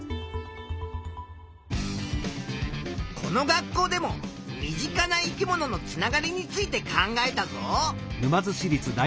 この学校でも身近な生き物のつながりについて考えたぞ。